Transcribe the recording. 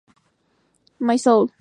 My Soul!!